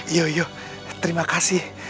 iya iya terima kasih